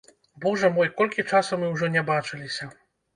Божа мой, колькі часу мы ўжо не бачыліся!